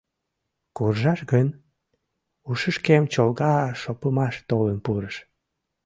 «Куржаш гын? — ушышкем чолга шопымаш толын пурыш.